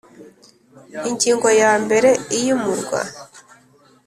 Ingingo ya mbere iyimurwa